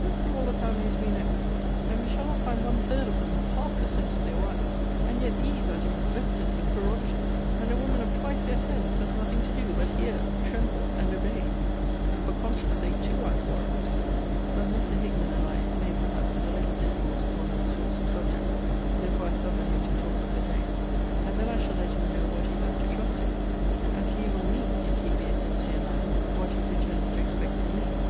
Look through all the families we know; and we shall not find one third of them have half the sense of their wives. And yet these are to be vested with prerogatives! And a woman of twice their sense has nothing to do but hear, tremble, and obey and for conscience sake too, I warrant! But Mr. Hickman and I may perhaps have a little discourse upon these sorts of subjects, before I suffer him to talk of the day: and then I shall let him know what he has to trust to; as he will me, if he be a sincere man, what he pretends to expect from me.